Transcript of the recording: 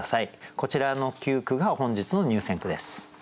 こちらの９句が本日の入選句です。